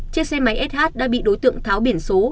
chiếc xe máy sh đã bị đối tượng tháo biển số